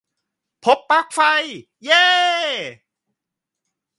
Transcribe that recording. พบปลั๊กไฟ! เย่!